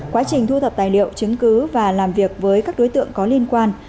quá trình thu thập tài liệu chứng cứ và làm việc với các đối tượng có liên quan